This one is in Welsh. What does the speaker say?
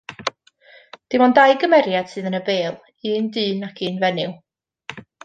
Dim ond dau gymeriad sydd yn y bale, un dyn ac un fenyw.